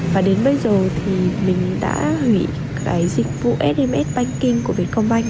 và đến bây giờ thì mình đã nghĩ